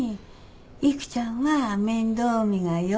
育ちゃんは面倒見がよ